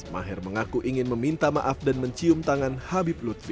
maher mengaku ingin meminta maaf dan mencium tangan habib lutfi